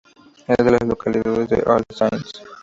Es de la localidad de All Saints.